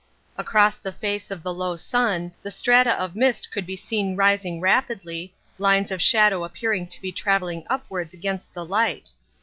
Across the face of the low sun the strata of mist could be seen rising rapidly, lines of shadow appearing to be travelling upwards against the light.